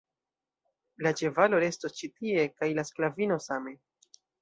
La ĉevalo restos ĉi tie, kaj la sklavino same.